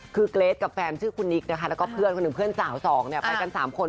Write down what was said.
คือเกรทกับแฟนชื่อคุณนิกนะคะแล้วก็เพื่อนคนหนึ่งเพื่อนสาวสองเนี่ยไปกัน๓คน